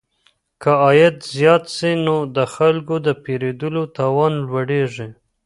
که عايد زيات سي نو د خلګو د پيرودلو توان لوړيږي.